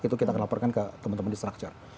itu kita akan laporkan ke teman teman di structure